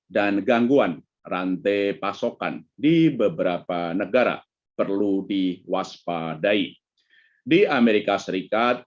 gangguan rantai pasokan di beberapa negara perlu diwaspadai di amerika serikat